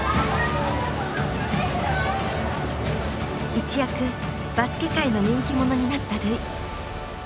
一躍バスケ界の人気者になった瑠唯。